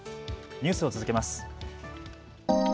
ニュースを続けます。